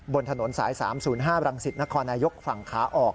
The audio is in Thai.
บนถนนสาย๓๐๕บรังสิตนครนายกฝั่งขาออก